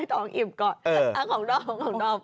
ให้ท้องอิ่มก่อนของนอก